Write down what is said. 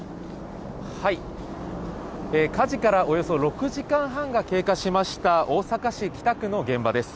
火事からおよそ６時間半が経過しました大阪市北区の現場です。